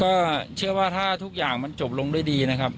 ก็เชื่อว่าถ้าทุกอย่างมันจบลงด้วยดีนะครับ